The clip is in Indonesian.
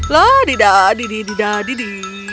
loh didi didi didi didi